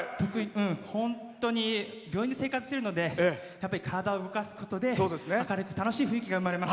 本当に病院で生活しているので体を動かすことで明るく楽しい雰囲気が生まれます。